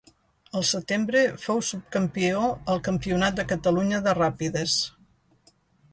El setembre fou subcampió al Campionat de Catalunya de Ràpides.